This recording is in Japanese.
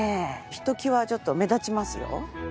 ひときわちょっと目立ちますよ。